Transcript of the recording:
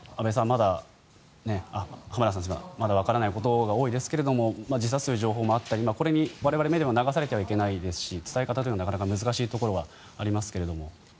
浜田さん、まだわからないことが多いですけれど自殺という報道も多くてこれに我々メディアは流されてはいけないですし伝え方というのはなかなか難しいところがありますが。